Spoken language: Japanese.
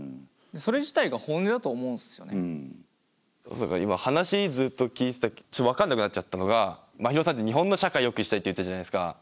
そうか今話ずっと聞いてて分かんなくなっちゃったのがまひろさんって日本の社会よくしたいって言ったじゃないですか。